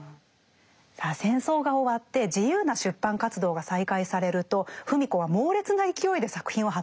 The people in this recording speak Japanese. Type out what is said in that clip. さあ戦争が終わって自由な出版活動が再開されると芙美子は猛烈な勢いで作品を発表していきました。